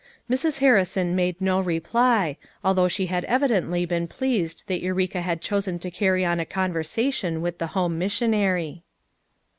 ,J Mrs. Harrison made no reply, although she had evidently been pleased that Eureka had chosen to carry on a conversation with the home missionary.